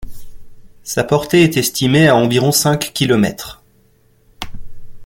Sa portée est estimée à environ cinq kilomètres.